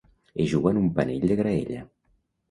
Es juga en un panell de graella.